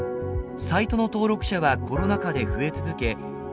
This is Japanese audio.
サイトの登録者はコロナ禍で増え続け